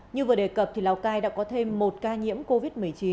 như vừa đề cập thì lào cai đã có thêm một ca nhiễm covid một mươi chín